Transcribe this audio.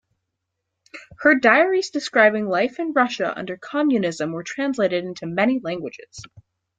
Her diaries describing life in Russia under communism were translated into many languages.